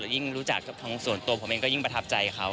ยิ่งรู้จักส่วนตัวผมเองก็ยิ่งประทับใจเขา